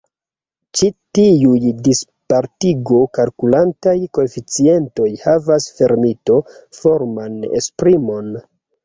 Ĉi tiuj dispartigo-kalkulantaj koeficientoj havas fermito-forman esprimon.